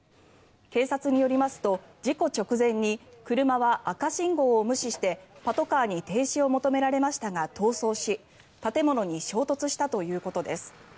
警察によりますと事故直前に車は赤信号を無視してパトカーに停止を求められましたが逃走し建物に衝突したということです。